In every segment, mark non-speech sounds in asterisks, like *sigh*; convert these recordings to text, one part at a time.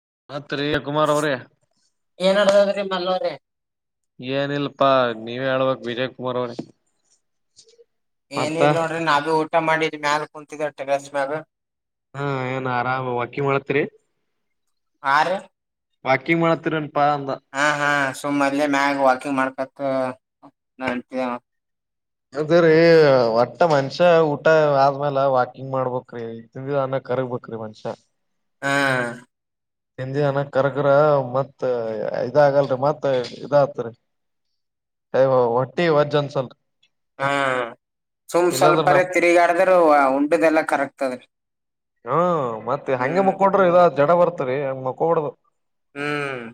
*inaudible* ಅವ್ರಿ ಏನ್ಡದದ್ರಿ ಮಲ್ಲವರೆ ಏನ ಇಲ್ಪಾ ನೀವೇ ಹೇಳ್ಬಕ್ ವಿಜಯ್ ಕುಮಾರ್ ಅವ್ರ ಏನ ಇಲ್ ನೋಡ್ರಿ ನಾದು ಊಟ ಮಾಡಿದ ಮ್ಯಾಲ ಕುಂತಿದ್ವಿ ಟೆರೇಸ್ ಮ್ಯಾಲ ಹಾ ಏನ್ ಆರಾಮ ವಾಕಿಂಗ್ ಮಾಡತ್ರಿ ಆರು ವಾಕಿಂಗ್ ಮಾಡಾತರಂ *unintelligible* ಸುಮ್ಮದಲೆ ಮ್ಯಾಗ ವಾಕಿಂಗ್ ಮಾಡ್ಕತ್ ನಂತ ಅದ್ರೀ ಒಟ್ಟ ಮನ್ಷ್ಯ ಊಟ ಆದ್ಮ್ಯಾಲ ವಾಕಿಂಗ್ ಮಾಡ್ಬ್ರಿ ತಿಿಂದಿದ ಅನ್ನ ಕರ್ಗ್ಬೇಕ್ರೀ ಮನ್ಷ್ಯ ಹಾ ಹಿಂದಿ ಜನ ಕರ್ಕ್ರ ಮತ್ ಇದ ಆಾಗಲ್ರಿ ಮತ್ತ್ ಇದ ಆತ್ರಿಯ ಹೊಟ್ಟಿ ವಜ್ ಅನ್ಸಲ್ರಿ ಹ್ಮ್ ಸುಮ್ ಸ್ವಲ್ಪ ಇಲ್ಲಾಂದ್ರ ನಮ್ ತಿರುಗಾಡದ್ರರು ಉಂಡದೆಲ್ಲಾ ಕರಕ್ತದ್ರಿ ಹಾ ಮತ್ತೆ ಹಂಗೆ ಹ್ಮ್ ಮಕ್ಕೊಂಡ್ರ ಇದ ಜಡ ಬರ್ತರಿ ಮ ಕೋಡ್ದ ಹ್ಮ್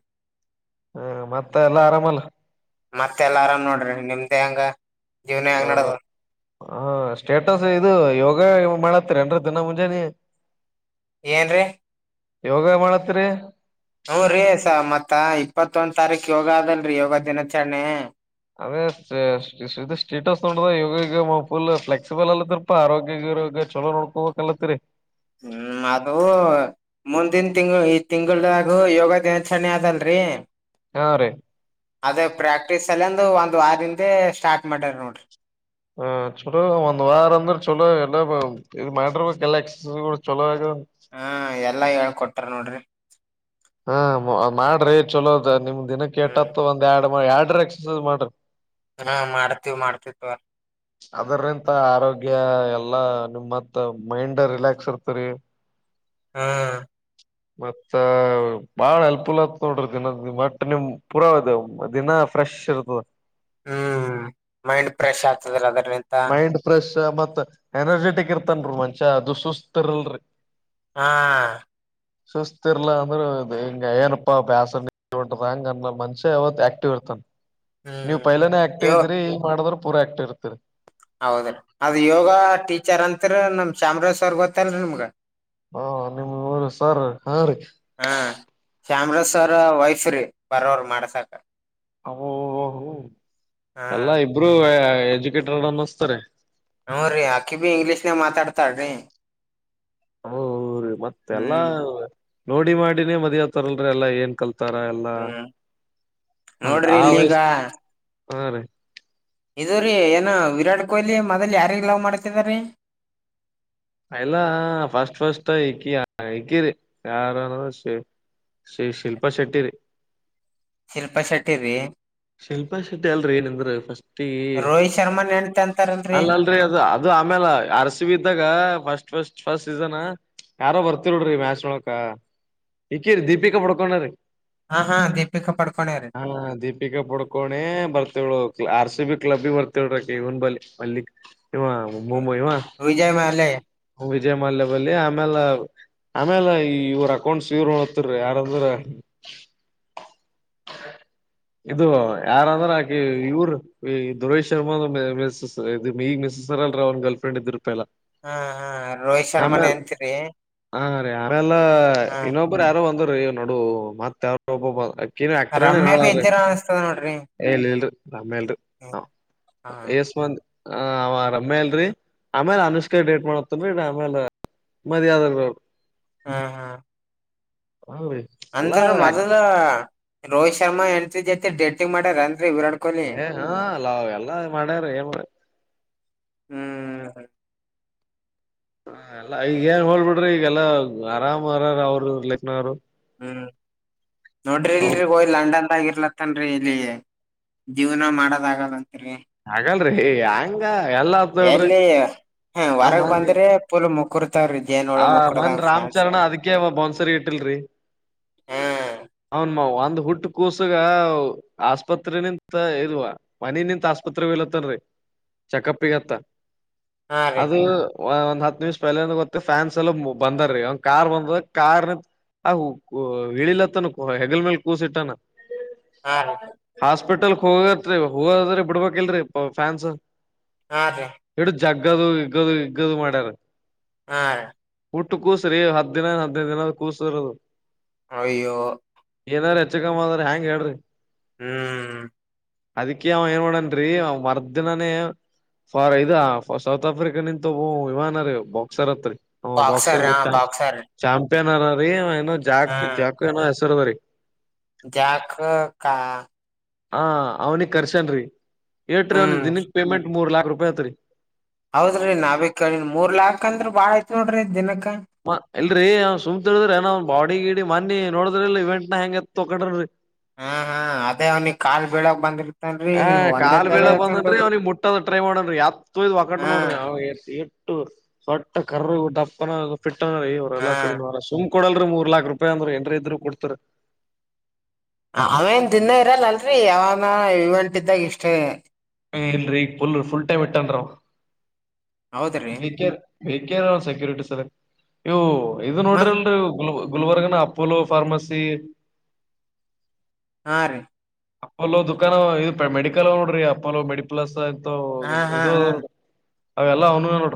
ಹ್ಮ ಮತ್ತ ಎಲ್ಲಾ ಆರಾಮಲ್ಲ ಮತ್ತ ಎಲ್ಲ ಆರಾಮ್ ನೋಡ್ರಿ ನಿಮ್ದ್ ಹೆಂಗ ಜೀವನೇ ಚಲೋ ಹೆಂಗ್ನಡದೇ ಹಾ ಸ್ಟೇಟಸ್ ಇದು ಯೋಗ ಮಾಡತ್ತರಿ ಎನ್ರ ದಿನ ಮುಂಜಾನೆ ಏನ್ ರೀ ಯೋಗ ಮಾಡತ್ರಿ ಹೂ ರೀ ಸ ಮತ್ತ ಇಪ್ಪತ್ತೊಂದ್ ತಾರೀಕ್ ಯೋಗ ಅದಲ್ರರಿ ಯೋಗ ದಿನಾಚರಣೆ ಅದೇ ಸ್ಟೇಟಸ್ ನೋಡದ ಯೋಗ ಗಿಗ ಫುಲ್ ಫ್ಲೆಕ್ಸಿಬಲ್ ಅಲತ್ತರಿಪಾ ಆರೋಗ್ಯರೋಗ್ಯ ಚಲೋ ನೋಡ್ಕೋಬೇಕಲ್ಲತ್ತರಿ ಮುಂದನ್ ತಿಂಗಳ ಈ ತಿಂಗಳಾಗ ಯೋಗ ದಿನಾಚರಣೆ ಆದಲ್ರಿ ಹಾ ರೀ ಅದ ಪ್ರಾಕ್ಟೀಸ್ ಸಲಂದು ಒಂದ್ ವಾರದಿಂದ ಸ್ಟಾರ್ಟ್ ಮಾಡ್ಯಾರ ನೋಡ್ರಿ ಹ ಚಲೋ ಒಂದ್ ವಾರ ಅಂದ್ರೆ ಚಲೋ ಎಲ್ಲ ಇ ಮಾಡ್ರ ಗಲಕ್ಸ ಚಲೋ ಆಗ ಹಾ ಎಲ್ಲಾ ಹೇಳ್ಕೊಟಾರ ನೋಡ್ರಿ ಹಾ ಮಾಡ್ರಿ ಚಲೋದ ನಿಮ್ ದಿನ ಹ್ಮ್ ಕೆೇಟ್ಟತ್ತತ್ತು ಒಂದ ಎರಡು ಯಾರ್ಡ್ರ ಎಕ್ಸರ್ಸೈಸ್ ಮಾಡ್ರಿ ಹಾ ಮಾಡ್ತೀವಿ್ ಮಾಡ್ತಿವಿ ಪ ಅದರಿಂತ ಆರೋಗ್ಯ ಎಲ್ಲಾ ನಿಮ್ಮತ್ ಮೈಂಡ್ ರಿಲ್ಯಕ್ಸ್ ಇರ್ತರಿ ಹಾ ಮತ್ತ ಬಾಳ ಹೆಲ್ಪ್ಫುಲ್ ಆತ್ ನೋಡ್ರಿ ದಿನದ ಮಟ್ ನಿಮ್ ಪುರಾ ದಿನ ಫ್ರೆಶ್ ಇರ್ತದ ಹ್ಮ್ ಮೈಂಡ್ ಫ್ರೆಶ್ ಆತದ *unintelligible* ಮೈಂಡ್ ಫ್ರೆಶ್ ಮತ್ ಎನರ್ಜೆಟಿಕ್ ಇರತಾನ್ ರಿ ಮನುಷ್ಯ ಅದು ಸುಸ್ತ ಇರಲ್ಲರಿ. ಹಾ ಸುಸ್ತತಿರ್ಲಾ ಅಂದ್ರೆ ಹಿಂಗ ಏನಪ್ಪಾ ಬ್ಯಾಸ ನಿ *inaudible* ಹಂಗ ಅಂದ ಮನುಷ್ಯಾ ಯಾವಾಗಲೂ ಆಕ್ಟಿವ್ ಇರ್ತಾನ. ನೀವ್ ಹ್ಮ್ ಪೈಲನೆೇ ಆಕ್ಟಿವ್ ಯೋ ಇದ್ರಿ ಈಗ ಮಾಡದ್ರ. ಪೂರಾ ಆಕ್ಟಿವ್ *inaudible* ಹೌದ್ರೀ ಅದ ಯೋಗ ಟೀಚರ್ ಅಂತ್ರ ನಮ್ ಚಾಮರಾಜ್ ಸರ ಅವರ್ ಗೊತ್ತಲ್ರಿ ನಿಮ್ಗ. ಹಾ ನಿಮ್ಮ ಇವ್ರು ಸರ್ ಹಾ ರಿ ಬರವರು ಮಾಡಸಕ ಅವು ಹಾ ಎಲ್ಲ ಇಬ್ಬರೂವೆ ಎಜ್ಯುಕೆಟೆಡ್ ಅನಸ್ತಾರೆ ಹೂರಿ ಅಕ್ಕಿ ಬಿ ಇಂಗ್ಲೀಷ್ನಾಗ ಮಾತಾಡ್ತಾಡ್ರಿ. ಹೂ ರೀ ಮತ್ತೆ ಎಲ್ಲಾ ನೋಡಿ ಮಾಡಿನೇ ಮದ್ವಿ ಆಗ್ತಾರಲ್ಲಿ ಎಲ್ಲ ಏನ್ ಕಲ್ತ್. ಹ್ಮ್ ನೋಡ್ರಿ ಇಲ್ಲಿಗ. ಹು ರೀ ಇದ್ರೀ ಏನ ವಿರಾಟ್ ಕೊಹ್ಲಿ. ಕೊಹ್ಲಿ ಮೊದಲ ಯಾರಿಗ್ ಲವ್ ಮಾಡ್ತಿದ್ರೀ. ಎಲ್ಲ ಫಸ್ಟ್ ಫಸ್ಟ್ ಇಕ್ಕಿ ಇಕಿರಿ ಯಾರ ಶ ಶ ಶಿಲ್ಪಾ ಶೆಟ್ಟಿರಿ. ಶಿಲ್ಪಾ ಶೆಟ್ಟಿ ರಿ ಶಿಲ್ಪಾ ಶೆಟ್ಟಿ ಅಲ್ರರಿ ಏನಂದ್ರ ಫಸ್ಟ್ ರೋಹಿತ್ ಶರ್ಮಾ ನೆಂಟ ಅಂತಾರಲ್ರರಿ ಅಲ್ಲ ಅಲ್ರರಿ ಅದು ಅದು ಆಮೇಲೆ ಆರ್ ಸಿ ಬಿ ಇದ್ದಾಗ ಫಸ್ಟ್. ಫಸ್ಟ್ ಫಸ್ಟ್ ಸೀಸನ್ ಯಾರೋ ಬರ್ತಿರ್ರಿ ಮ್ಯಾಚ್ ನೋಡಾಕ ಇಕಿರಿ ದೀಪಿಕಾ ಪಡ್ಕೋನಿರಿ. ಹಾ ಹಾ ದೀಪಿಕಾ ಪಡ್ಕೋನಿರಿ ದೀಪಿಕಾ ಪುಡ್ಕೋನೆ ಬರ್ತೀಳು ಆರ್ ಸಿ ಬಿ ಕ್ಲಬ್ ಬಿ ಬರ್ತಿದ್ಲರಿ ಇವನ್ ಬಿಲ್ಲಿ ಅಲ್ಲಿ ಇವ ಮುಂಬೈವ ವಿಜಯ್ ಮಾಲೆ ವಿಜಯ ಮಲ್ಯ ಬಲ್ಲಿ ಆಮೇಲೆ. ಆಮೇಲೆ ಈ ಇವ್ರ ಅಕೌಂಟ್ಸ್ ಇವ್ರ ನೋಡ್ತೀರಿ ಯಾರಂದ್ರ. ಇದು ಯಾರಂದ್ರ ಆಕಿ ಇವರು ಈ ಸುರೇಶ್ ಶರ್ಮಾ ಮಿಸ ಈಗ್ ಮಿಸ್ಸ್ರಲ್ ಅವನ್ ಗರ್ಲ್ ಫ್ರೆಂಡ್ ಇದ್ರ ಪೈಲಾ. ಹಾ ಹಾ ರೋಹಿತ್ ಶರ್ಮಾ ಆಮೇಲೆ ನೆಂತ್ರಿ ಹ ಆಮೇಲ್ಲ ಹಾ ಇನ್ನೊಬ್ಬರು ಯಾರೋ ಒಂದ ನಡು ಮತ್ತೆ ಯಾವ *inaudible* ನೀವ ಆಕ್ಟರ್ ಏನ ರಮ್ಯಾ ಹೇಳಲಾ ಬಿ ಭೈ. ಇದ್ದೀರ ಅನ್ಸ್ತದ ನೋಡ್ರಿ ಏನ ಇಲ್ರಿ ಆಮೇಲ್ರಿ ಹಾ ಹಾ ಎಸಮಂದಿ. ಹ ಆವ ರಮ್ಯ ಇಲ್ರಿ ಆಮೇಲ್ ಅನುಷ್ಕಾ ಡೇಟ್ ಮಾಡತ್ತನ್ರಿ ಆಮೇಲೆ ಮದುವೆ ಆದ್ರ ಬೇಕು. ಹಾ ಹಾ ಹ್ರಿ ಅಲ್ಲಾ ಅಂದ್ರ ಮೊದಲ ರೋಹಿತ್ ಶರ್ಮ ಹೆಂಡತಿ ಜತೆ ಡೆಟಿಂಗ ಮಾಡ್ಯರೇನ್. ಏ ಹಾಲ್ಲಾಎಲ್ಲ ಮಾಡ್ಯಾರ ಏನ್ ಮಾ ಹ್ಮ್ ಹ ಎಲ್ಲಾ ಈಗ ಏನ್ ಹೋಲ ಬಿಡ್ರಿ ಈಗಲ್ಲಾ ಆರಾಮ್ರಾರ ಅವರು ಲೆಕ್ನವರು. ಹ್ಮ. ನೋಡ್ರಿ ಇಲ್ರಿ ಹೋಗಿ ಲಂಡನ್ ಅವ ಇರ್ರಂತ್ತನ್ರಿ ಇಲ್ಲಿ ಜೀವ್ನ ಮಾಡದಲಗದಂತ್ರಿ. ಹಾಗಲ್ರಿ ಹಂಗ ಎಲ್ಲ ಆತ್ ನೋಡ್ರಿ ಎಲ್ಲಿ ಹ ಆ ಹೊರಗ್ ಮೊನ್ನೆ ಬಂದ್ರೆ ಪುಲ್ ಮುಕ್ ಆ ಮನ್ ರಾಮ್ಚರಣ ಅದಕ ಬೌನ್ಸರ್ ಇಟ್ಟಿಲ್ರಿ. ಹಾ. ಹೌನ್ ಮಾ ಒಂದ್ ಹುಟ್ಟ ಕೂಸಗ ಆಸ್ಪತ್ರೆ ನಿಂತ ಇದುವ ಮನ ನಿಂತ ಆಸ್ಪತ್ರೆ ಇಲತ್ತನ್ರಿ ಚೆಕಪ್ಗತ್ತ. ಹಾ ರೀ ಅದು ಒಂದ್ ಹತ್ ನಿಮಿಷಾ ಪಲೆಂದ ಗೊತ್ತೆ ಫ್ಯಾನ್ಸ್ ಎಲ್ಲ ಬಂದಾರೀ ಒಂದ್ ಕಾರ್ ಬಂದಾಗ ಕಾರ್ ಆ ಆ ಇಳಿಲತ್ತನ. ಹೊ ಹೆಗಲ್ ಮೇಲ ಕೂಸ ಇಟ್ಟಾನಾ. ಹಾ ರ ಹಾಸ್ಪಿಟಲ್ ಹೋಗತ್ರಿ ಹೋಗದ್ರ ಬಿಡ್ಬೇಕಲ್ರರಿ ಫ್ಯಾನ್ಸ್. ಹಾರೀ. ಹಿಡಿದು ಜಗ್ಗದು ಇಗ್ಗದು ಇಗ್ಗದು ಮಾಡ್ಯಾರ. ಹಾ. ಹೂಟ್ಟ ಕೂಸ್ರಿ ಹತ್ತಾ ದಿನ ಹದ್ನೈದ ದಿನದ ಕೂಸರದ. ಅಯ್ಯೋ. ಏನಾರ ಹೆಚ್ಚು ಕಮ್ಮ ಆದದ್ರ ಹೆಯಾಂಗ ಹೇಳ್ರಿ. ಹ್ಮ್. ಅದಕ್ಕೆ ಅವ ಏನ್ ಮಾಡ್ಯಾನ್ರಿ ಅವ ಮರ್ದಿನಾನೇ ಫಾರ್ ಇದ ಸೌತ್ ಆಫ್ರಿಕಾ ನಿಂತ ಒಬ್ ವಿಮಾನ ರೀ ಬಾಕ್ಸರ್ ಹತ್ರಿ. ಬಾಕ್ಸರ್ ಹಾ ಬಾಕ್ಸರ್ ಪ್ಯನಾರ ರೀ ಜಾಗ ಜಾಕ ಚರ್ವರಿ ಜಾಖಕ್ಕಾ ಹಾ ಅವ್ನಿಗ್ ಕರ್ಶನರಿ. ಎಟ್ರಿ ಹ್ಮ್ ದಿನಕ ಪೇಮೆಂಟ ಮೂರ್ ಲಾಕ್ ಕೃಪಾಯ ತ್ರರಿ. ಹೌದ್ರಿ ನಾವಿ ಕಿ ಮೂರ್ ಲಾಕ್ ಅಂದ್ರ ಬಾಳ ಆಯತ್ ನೋಡ್ರಿ ದಿನಕ್ *inaudible* ಇಲ್ರರಿ ಅವ್ ಸುಮ್ನ ತಿಳಿದಿರಿ ಏನ್ ಬಾಡಿ ಗಿಡಿ ಮಿ ನೋಡ್ರಿ ಇಲ್ಲ ಇವೆಂಟ್ ನ ಹೆಂಗ್ತ್ ತಕಟ್ರರಿ ಹಾ ಹಾ ಅದೇ ಅವನಿ ಕಾಲ್ ಬೀಳಕ್ ಬಂದ ಹ ಕಾಲ್ ಬೀಳಾ ಬಂದನರಿ ಅವ್ನಿಗ್ ಮುಟ್ಟದ ಟ್ರೈ ಮಾಡನರಿ ಎತ್ಯ್ ಒಕಾಟ ಹಾ ನೋಡ್ರಿ ಅವ ಸ್ಟ್ಟ ಕರ್ರ ದಪ್ಪನ ಪಿಟ್ಟ ಇವ್ರ್ ಹಾ ಎಲ್ಲರ್ ಕಡೆ ಇಂದ ವರ ಸುಮ್ನ್ ಕೊಡಲ್ರಿ ಮೂರ್ ಲಾಖ ರೂಪಾಯಿ ಅಂದ್ರು ಎಂಡ್ರು ಇದರು ಕೊಡ್ತರಿ. ಅವೇನ್ ತಿನ್ನ ಇರಲ್ಲ ಅಲ್ರರಿ ಯಾವನ ಇವೆಂಟ್ ಇದ್ದಾಗ ಇಷ್ಟೇ. ಹುನ್ರಿ ಈಗ್ ಫುಲ್ ಟೈಮ್ ಇಟನರಿ ಆವಾ. ಹೌದ್ರಿ *unintelligible* ಬೇಕೇನ ಸೆಕ್ಯೂರಿಟಿ ಸರಿ ಇವು. ಇದು ನೋಡ್ರಿ ಮತ್ ಒಂದ್ ಗುಲ್ ಗುಲ್ಬರ್ಗನ ಅಪೋಲೋ ಫಾರ್ಮಸಿ. ಹಾ ರೀ ಅಪೋಲೋ ದುಕಾನ ಇ ಮೆಡಿಕಲ್ ನೋಡ್ರಿ ಅಪೋಲೋ ಮೆಡಿ ಪಲಸ್. ಹಾ ಅದುೌದು ಹಾ ಇದು. ಹಾ ಅವೆಲ್ಲ ಅವ್ನ್ವೇ ನೋಡ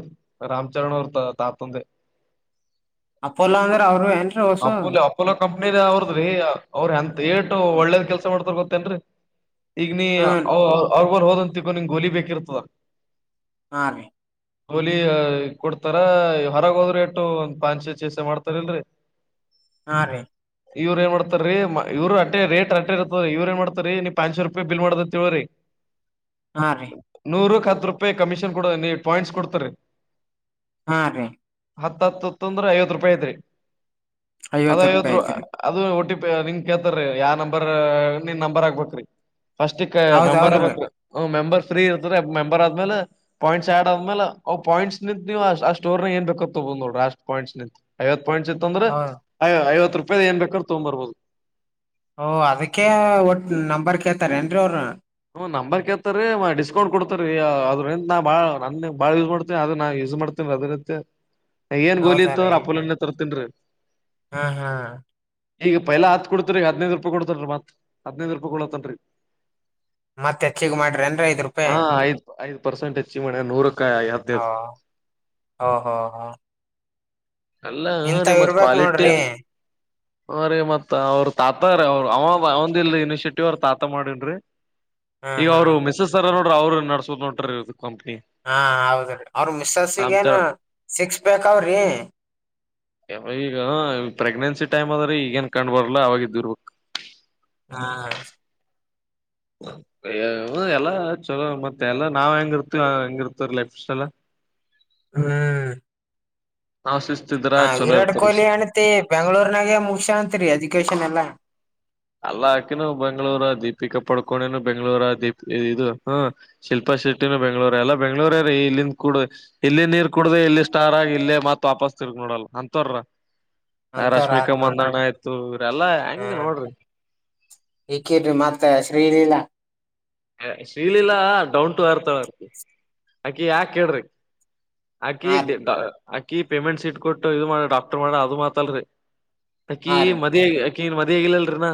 ರಾಮ್ಚರಣ್ ಅವ್ರ ತಾತಂದೆ. ಅಪೋಲೋ ಅಂದ್ರ ಅವರು ಏನ್ರೀ ಹೊಸು ಅಪೋಲೋ ಅಪೋಲೋ ಕಂಪ್ನಿ ಅವ್ರದ್ರೀ. ಅವ್ರ ಅಂತ್ ದೇಟು ಒಳ್ಳೇದ ಕೆಲಸ ಮಾಡ್ ಹೋಬಕ್ ತ್ರೆನ್ರಿ ಈಗ್ ನೀ ಹ್ಮ್ ಅವ್ ಅವ್ ರ್ ಹೋದಂತಗೋ ನಿಂಗ ಗೋಲಿ ಬೇಕಿರ್ತದ. ಹಾ ರೀ ಹೋಲಿ ಕೊಡ್ತಾರ ಹೊರಗೆ ಹೋದ್ರೆ ಎಟ್ಟು ಒಂದ್ ಪಾಂಸೆ ಚೇಸೆ ಮಾಡ್ತಾರ ಇಲ್ರಿ. ಹಾ ರೀ ಇವ್ರ್ ಏನ್ ಮಾಡ್ತಾರೆೀ ಇವ್ರು ಆಟೇ ರೇಟ್ ಆಟೇ ಇರ್ತದ ಇವ್ರ್ ಏನ್ ಮಾಡ್ ರಿ ನೀನ್ ಪಂನ್ಸ ರೂಪಾಯಿ ಬಿಲ್ ಮಾಡದ ತಿಳ್ರಿ. ಹಾ ರೀ ನೂರು ಕ್ ತ್ರು ರೂಪಾಯಿ ಕಮಿಷನ್ ಕೊೂಡ್ ನೀ ಪಾಯಿಂಟ್ಸ್ ಕೊಡ್ತರಿ. ಹಾ ರೀ ಹತ್ತ ಹತ್ತುತ್ತು ಅಂದ್ರೆ ಐವತ್ತು ರೂಪಾಯಿ ಐತ್ರಿ. ಐವತ್ತು ರೂಪಾಯಿ ಅದವತ್ತುರು ಐತ್ರಿ ಅದು ಒಟ್ಟಿ ನಿಂಗ ಕೇಳ್ತಾರೀ ಯಾವ ನಂಬರ್. ನೀನ್ ನಂಬರ್ ಆಗ್ಬೇಕೇ್ರಿ. ಫಸ್ಟ ಕ ಹೌದ್ ಮೆಂಬರ್ ಹೌದ್ರಿ ಆಗ್ಬೇಕ ಮೆಂಬರ್. ಫ್ರೀ ಇರ್ತದೆ ಮೆಂಬರ್ ಆದ್ಮೇಲೆ ಪಾಯಿಂಟ್ಸ್ ಆಡ್ ಆದ್ಮೇಲೆ ಅವು ಪಾಯಿಂಟ್ಸ್ ನಿತ್ ನೀವು ಆ ಸ್ಟೂರ ಏನ್ ಬೇಕು ತೊಗೋಬಹುದ ನೋಡ್ರಿ ಅಷ್ಟ ಪಾಯಿಂಟ್ ನಿತ್ ಐವತ್ತು. ಪಾಯಿಂಟ್ಸ್ ಇತ್ತು ಅಂದ್ರೆ ಹೌದ್ ಐವತ್ತು ರೂಪಾಯಿ. ರುಪಾಯ್ದ್ ಏನ್ ಬೇಕಾದ ತಗೊಂಡ್ ಬರ್ಬೋದು. ಹೊ ಅದಕ್ಕೆ ಒಟ್ ನಂಬರ್ ಕೇಳ್ತಾರೇಏನ್ರಿ ಅವರು. ಹೂ ನಂಬರ್ ಕೇಳ್ತ ರೀ ಡಿಸ್ಕೌಂಟ್ ಕೊಡ್ತಾರ ರೀ ಅದ್ರಿಂದ ನಾ ಭಾಳ ನನ್ನ ಭಾಳ ಯೂಸ್ ಮಾಡ್ತೀ ಅದದು ನಾ ಯೂಸ್ ಮಾಡ್ತೀನ ರೀ ಅದ್ರಿರುತ್ತೆ. ಏನ್ ಗೋಲಿ ಹೌದ ಇತ್ ಅವ್ರ ರೀ ಅಪ್ಪಲನ್ನ ತರ್ತನ್ರಿ. ಹಾ ಹಾ ಈಗ ಪೈಲ ಹತ್ ಕೊಡ್ತರಿಗ ಹದನೈದ ರೂಪಾಯಿ ಕೊಡ್ತನ್ರಿ ಮತ್ ಹದನೈದ್ ರೂಪಾಯಿ ಕೊಡತನ್ರಿಈಗ ಮತ್ತ ಹೆಚ್ಚಗ ಮಾಡ್ರಿ ಅನ್ ಐದ್ ರೂಪಾಯಿ. ಐದ ಪರ್ಸಂಟ್ ಹೆಚ್ಚಿಗ ಮಾಡ್ಯಾನ್ ನೂರಕ್ ಹಾ ಹ ಹಾ ಹಾ ಅಲ್ಲ ಹ ರೀ ಮತ್ ಕ್ವಾಲಿಟಿ ಅವ್ರ ಮತ್ತ ಅವ್ರ ತಾತಾರೆ ಅವು ಅವನ ಇಲ್ಲ ಇನಿಷಿಯೇಟಿವ್ ಅವ್ರ ತಾತ ಮಾಡಿದರೀ ಹಾ ಈಗ ಹಾ ಅವರು ಮಿಸಸ್ ಸರ ನೋಡಿ, ಅವರು ನಡಸಕೋತ ಹೋಂಟಾರಿ ಇದ ಹಾ ಹೌದ್ರಿ ಅವ್ರ ಮಿಸ್ಸಸ್ಸಗ ಏನು ರಾಮಚರಣ್ ಸಿಕ್ಸ ಪ್ಯಾಕ ಅವ್ರಿ ಈಗ ಪ್ರೆಗ್ನೆನ್ಸಿ ಟೈಮ್ ಅದ್ರೆ ಈಗೇನ್ ಕಂಡ್ ಬರ್ಲ ಅವಾಗ ಇದರಬೇಕ. ಹಾ ಎಲ್ಲ ಚಲೋ ಮತ್ತೆ ಎಲ್ಲ ನಾವ್ ಹೆಂಗಿರ್ತೀವಿ ಹಂಗಿರ್ತವ ಲೈಫ್ ಸ್ಟೆಲ್ಲ. ಹ್ಮ್ ನಾವ್ ಶಿಸ್ತಿದ್ರ ಹ ಚಲೋ ವಿರಾಟ್ ಇರ್ತಾರ ಕೊಹ್ಲಿ ಹೆಂಡತಿ ಬೆಂಗ್ಳೂರ್ ನಾಗೆ ಮುಗ್ಸ್ಯಾಳತ್ರಿ ಎಜುಕೇಶನ್ ಎಲ್ಲಾ. ಅಲ್ಲ ಅಕಿನೂ ಬೆಂಗ್ಳೂರ ದೀಪಿಕಾ ಪಡ್ಕೋಣನು ಬೆಂಗ್ಳೂರ ದೀಪ ಇದು ಹ್ಮ ಶಿಲ್ಪಾ ಶಿಟ್ಟಿನೂ ಬೆಂಗ್ಳೂರ ಎಲ್ಲ ಬೆಂಗ್ಳೂರ ರೀ ಇಲ್ಲಿಂದ ಕುಡ ಇಲ್ಲಿ ನೀರ್ ಕುಡ್ದ ಇಲ್ಲಿ ಸ್ಟಾರ್ ಆಗಿ ಇಲ್ಲೇ ಮತ್ ವಾಪಸ್ ತಿರ್ಗ ನೋಡಲ್ಲ ಅಂತರಾವರ. ಆ ಅಂತವ್ರ ಆರ್ ರಶ್ಮಿಕಾ ನೋಡ್ರಿ ಮಂದಣ ಆಯ್ತು ಇವ್ರ ಎಲ್ಲಾ ಹೆಂಗ ನೋಡ್ರಿ. ಇಕಿ ಮತ್ತ Sreeleela, Sreeleela down to earth ಅವರ್ತಿ ಅಕಿ ಯಾಕ ಕೇಳ್ರಿ ಆಕಿ ಹಾ ರೀ *unintelligible* ಅಕಿ ಪೇಮೆಂಟ್ಸ್ ಸಿಟ್ ಕೊಟ್ಟು ಇದು ಮಾಡ ಡಾಕ್ಟರ್ ಮಾಡಾಳ ಅದು ಮಾತಲ್ರಿ, ಅಕಿ ಹಾ ರೀ ಮದವಿ ಆಕಿ ಮದವಿ ಆಗಿಲ್ಲ ರಿ ಇನಾ.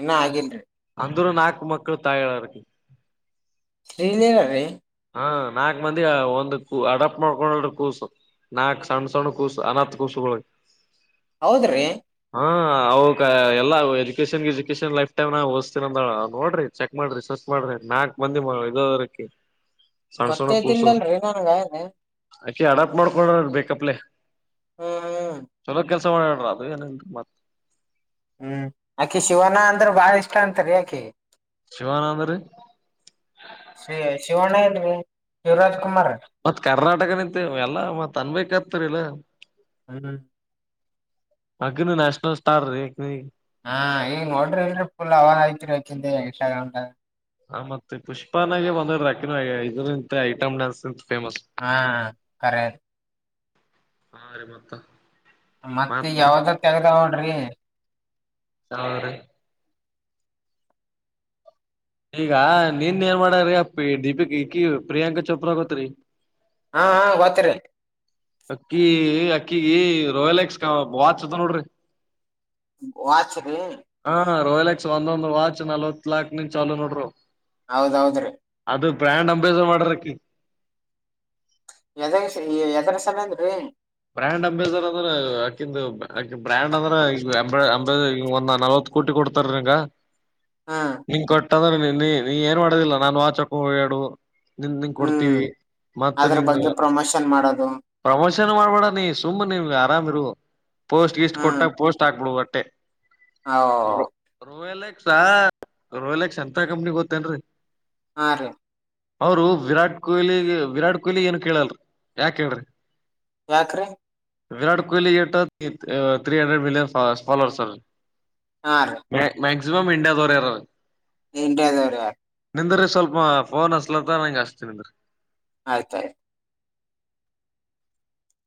ಇನ್ನ ಆಗಿಲ್ರಿ ಅಂದರು ನಾಲ್ಕ ಮ ಮಕ್ಕಳ ತಾಯಳ ಶೀ ಲಿಲಾ ರೀ ಹಾ ನಾಕ್ ಮಂದಿ ಒಂದು ಅಡಪ್ ಮಾಡ್ಕೊಂಡ ಕೂಸು ನಾಕ್ ಸಣ್ಣ ಸಣ್ಣ ಕೂಸು ಅನಾಥ ಕೂಸುಗೋಳಿಗಿ. ಹೌದ್ರಿ ಹಾ ಅವಕ ಎಲ್ಲ ಎಜುಕೇಶನ್ ಗಿಜುಕೇೇಶನ್ ಲೈಫ್ ಟೈಮ್ ನ ಓದಿಸ್ತೀನಿ ಅಂದಳ ನೋಡ್ರಿ ಚೆಕ್ ಮಾಡ್ರಿ ಸರ್ಚ್ ಮಾಡ್ರಿ ನಾಲ್ಕ್ ಮಂದಿ ಇದ ಅದಾಳಕಿ. ಗೊತ್ತೇದಿಲ್ಲಲ್ರರಿ ನನ್ಗನೆ ಇನ್ ಆಕಿ ಹಡಪ್ ಮಾಡ್ಕೊಂಡಳ ಬೇಕಪ್ಲೆೇ ಹ್ಮ್ ಚಲೋ ಕೆಲಸ ಸ ಮಾಡಳ ಅದು ಏನ ಅಂದ್ರೆ ಮತ್ತೆ ಹ್ಮ್ ಆಕಿ ಶಿವನ ಅಂದ್ರ ಬಾಳ ಇಷ್ಟ ಅಂತರಿ ಆಾಕಿ *inaudible* ಶಿವಾನಂದ್ರಿ ಶ ಶಿವಣಯ ರ ರೀ ಶಿವರಾಜ್ ಕುಮಾರ್ ಮತ್ ಕರ್ನಾಟಕ ನಿಂತ ಎಲ್ಲ ಮತ್ ಅನ್ಬೇಕತರಿಲ್ಲ ಹ್ಮ ಹಕಿನು ನ್ಯಾಷನಲ್ ಸ್ಟಾರ್ ರ ನೀ ಹಾ ಇದಿ ಗ್ರಾಮ್ ದಾಗ ಹ ಮತ್ತೆ ಪುಷ್ಪನಾಗೆ ಒಂದಾ ಐಟಮ್ ಡಾನ್ಸ್ ಹಾ ಕರೆ ಹಾ ರಿ ಮತ್ತ ಮತ್ತ ಯಾವ್ದ ತೆಗದಳ್ ಹೋಡ್ರಿ ಸಾವ್ರ ಈಗ ನೀನ್ ಏನ್ ಮಾಡಾರ್ರಿ ದೀಪಿಕ್ ಈಕಿ ಪ್ರಿಯಾಂಕಾ ಚೋಪ್ರಗೋತ್ರಿ ಹಾ ಹಾ ಗೋತ್ರಿ ಅಕ್ಕಿ ಅಕ್ಕಿಗ ರೋಯಲ್ ಎಕ್ಸ್ ವಾಚ್ ಅದ ನೋಡ್ರಿ ವಾಚ್ ರಿ ಹಾ ಹ ರೋಯಲ್ ಎಕ್ಸ್ ಒಂದೊಂದ್ ವಾಚ್ ನಲ್ವತ್ ಲಾಕ್ ನಿಂ ಚಾಲ್ ನೋಡರಿ ಹೌದೌದ್ರಿ ಅದು ಬ್ರ್ಯಾಂಡ್ ಅಂಬೇಸರ್ ಮಾಡರಕಿ ಎದ ಸ್ ಎದರ ಸಬಂದ್ ನ್ರಿ ಬ್ರ್ಯಾಂಡ್ ಅಂಬೇಸರ್ ಅಂದ್ರ ಅಂಬೆ ಅಂಬೆ ಒಂದ ನಲ್ವತ್ ಕೋಟಿ ಕೊಡ್ತಾರ ಹಿಗ ಹಾ ನೀನ್ ಕೊಟ್ಟ ಹದ್ರ ಇಲ್ಲಿ ನೀ ಏನ್ ಮಾಡುದಿಲ್ಲ ನಾನು ವಾಚ್ ಹಾಕುದ್ ಹೊಡಡು ನಿನ್ ನಿಂಗ ಹ್ಮ್ ಕೊಡ್ತೀವಿ ಮತ್ತ ಅದ್ರ ನಿಂಗ ಬಗ್ಗೆ ಪ್ರಮೋಷನ್ ಮಾಡೋದು ಪ್ರಮೋಷನ್ ನೀ ಸುಮ್ಮನೀರ್ಲ್ಲೆ ಆರಾಮ್ ಇರು ಪೋಸ್ಟ್ ಗಿಸ್ಟ್ ಕೊಟ್ಟಾಗ ಪೋಸ್ಟ್ ಹಾಕ್ಬಡು ಟ್ಟೆ ಹೌ ಸ ರೋಯಲ್ ಎಕ್ಸ್ ಎಂತ ಕಂಪ್ನಿ ಗೊತ್ತೇನ್ರೀ ಆರಿ ಅವರು ವಿರಾಟ್ ಕೊಹ್ಲಿ ವಿರಾಟ್ ಕೊಹ್ಲಿ ಏನು ಕೇಳಲ್ರಿ ಯಾಕ ಹೇಳ್ರಿ ಯಾಕ್ರೀ Virat Kohli three hundred million follower sir ಹಾ ರೀ ಮ ಮ ಸಿಮ ಮಂಡಾರರ ನಿಟದರ ನಿಂದ್ರೀ ಸ್ವಲ್ಪ ಫೋನ್ ಹಸ್ಲತ್ತ ನಂಗಗೆ ಹಸ್ತೀನಿ ಅನ್ರಿ ಆಯ್ತಾಯ್ತು